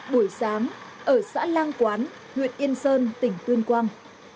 buổi sáng ở xã lang quán huyện yên sơn tỉnh tuyên quang